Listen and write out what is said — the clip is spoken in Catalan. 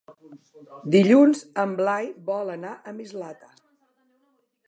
Dilluns en Blai vol anar a Mislata.